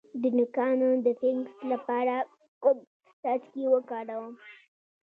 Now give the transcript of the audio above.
د نوکانو د فنګس لپاره کوم څاڅکي وکاروم؟